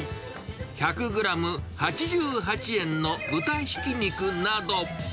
１００グラム８８円の豚ひき肉など。